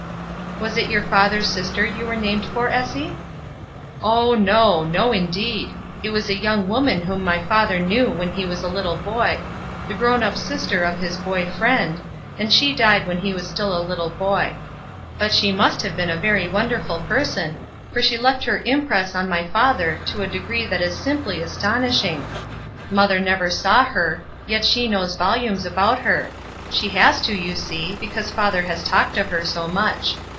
"Was it your father's sister you were named for, Essie?" " Oh, no ! no, indeed. It was a young woman whom my father knew when he was a little boy —the grown up sister of his boy friend, and she 4 ESTER RIED'S NAMESAKE died while he was still a little boy. But she •must have been a vwy wonderful person, for she left her impress on my father to a degree that is simply astonishing. Mother never saw her, yet she knows voliunes about her; she has to, you see, because father has talked of her so much.